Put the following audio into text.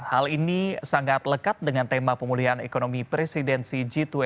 hal ini sangat lekat dengan tema pemulihan ekonomi presidensi g dua puluh